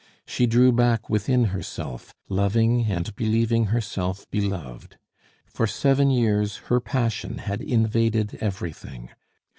She drew back within herself, loving, and believing herself beloved. For seven years her passion had invaded everything.